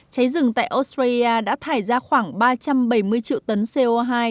cháy rừng tại australia đã thải ra khoảng ba trăm bảy mươi triệu tấn co hai